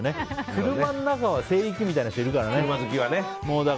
車の中は聖域みたいな人いるからね。